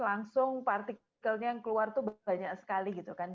langsung partikelnya yang keluar tuh banyak sekali gitu kan